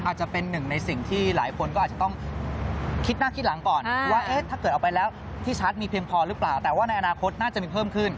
อาจจะเป็นหนึ่งในสิ่งที่หลายคนก็อาจจะต้องคิดหน้าคิดหลังก่อนว่าถ้าเกิดออกไปแล้วที่ชัดมีเพียงพอหรือเปล่าแต่ว่าในอนาคตน่าจะมีเพิ่มขึ้น